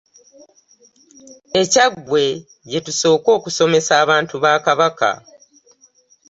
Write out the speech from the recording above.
E Kyaggwe gye tusooka okusomesa abantu ba Kabaka.